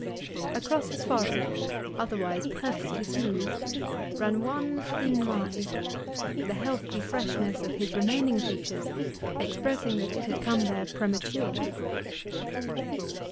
Across his forehead, otherwise perfectly smooth, ran one thin line, the healthy freshness of his remaining features expressing that it had come there prematurely.